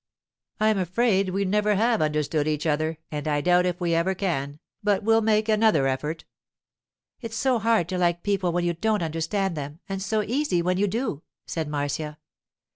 'I'm afraid we never have understood each other, and I doubt if we ever can, but we'll make another effort.' 'It's so hard to like people when you don't understand them, and so easy when you do,' said Marcia.